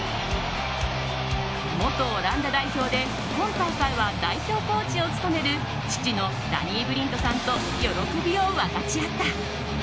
元オランダ代表で今大会は代表コーチを務める父のダニー・ブリントさんと喜びを分かち合った。